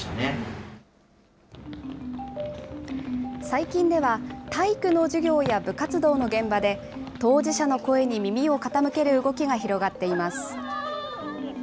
最近では体育の授業や部活動の現場で、当事者の声に耳を傾ける動きが広がっています。